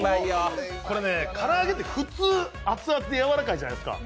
これから揚げって普通熱々でやわらかいじゃないですか。